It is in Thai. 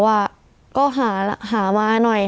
ว่าก็หามาหน่อย